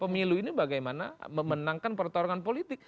pemilu ini bagaimana memenangkan pertarungan politik